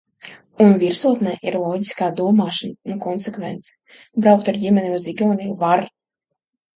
Un virsotnē ir loģiskā domāšana un konsekvence. Braukt ar ģimeni uz Igauniju var.